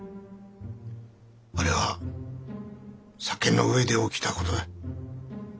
あれは酒の上で起きた事だ。